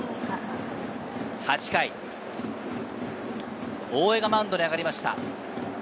８回、大江がマウンドに上がりました。